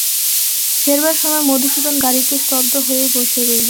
ফেরবার সময় মধুসূদন গাড়িতে স্তব্ধ হয়েই বসে রইল।